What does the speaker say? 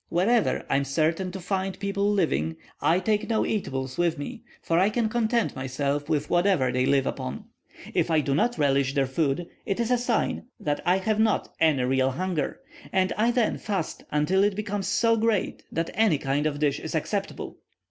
Wherever I am certain to find people living, I take no eatables with me, for I can content myself with whatever they live upon; if I do not relish their food, it is a sign that I have not any real hunger, and I then fast until it becomes so great that any kind of dish is acceptable.